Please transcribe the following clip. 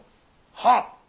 はっ。